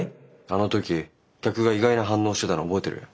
あの時客が意外な反応してたの覚えてる？